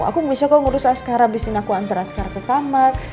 aku bisa kok ngurus askarah abisin aku antar askarah ke kamar